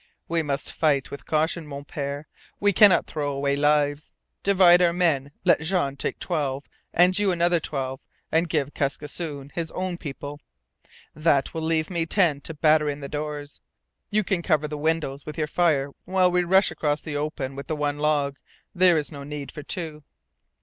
"We must fight with caution, Mon Pere! We cannot throw away lives. Divide our men. Let Jean take twelve and you another twelve, and give Kaskisoon his own people. That will leave me ten to batter in the doors. You can cover the windows with your fire while we rush across the open with the one log. There is no need for two."